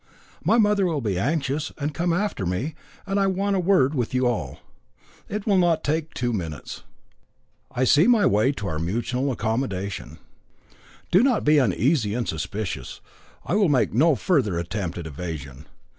My mother will be anxious and come after me, and I want a word with you all. It will not take two minutes. I see my way to our mutual accommodation. Do not be uneasy and suspicious; I will make no further attempt at evasion.